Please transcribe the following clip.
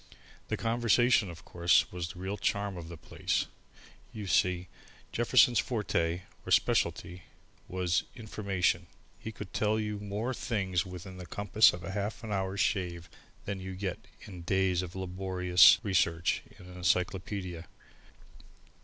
The conversation, of course, was the real charm of the place. You see, Jefferson's forte, or specialty, was information. He could tell you more things within the compass of a half hour's shave than you get in days of laborious research in an encyclopaedia.